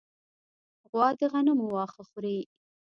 غوا د غنمو واښه خوښوي.